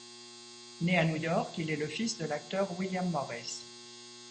Né à New York, il est le fils de l'acteur William Morris.